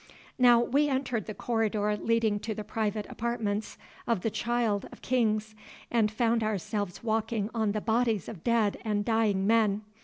Now we entered the corridor leading to the private apartments of the Child of Kings, and found ourselves walking on the bodies of dead and dying men.